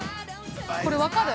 これ分かる？